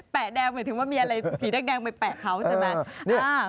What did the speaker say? แดงหมายถึงว่ามีอะไรสีแดงไปแปะเขาใช่ไหม